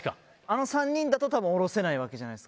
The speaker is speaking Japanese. あの３人だと多分下ろせない１人も。